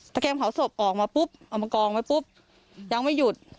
เกมเผาศพออกมาปุ๊บเอามากองไว้ปุ๊บยังไม่หยุด